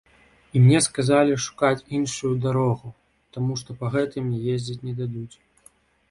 І мне сказалі шукаць іншую дарогу, таму што па гэтай мне ездзіць не дадуць.